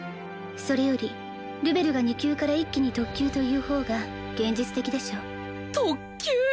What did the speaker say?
それよりルベルが２級から一気に特級という方が現実的でしょう特級！